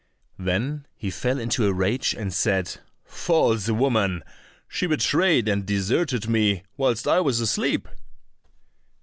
Then he fell into a rage, and said, "False woman, she betrayed and deserted me whilst I was asleep!"